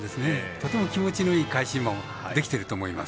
とても気持ちのいい返し馬をできていると思います。